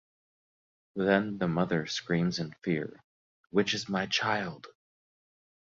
Then the mother screams in fear, Which is my child!